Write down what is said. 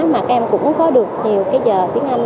mà em cũng có được nhiều cái giờ tiếng anh